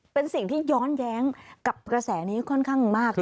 เป็นสิ่งที่ย้อนแย้งกับกระแสนี้ค่อนข้างมาก